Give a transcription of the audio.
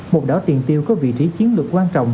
một đảo tiền tiêu có vị trí chiến lược quan trọng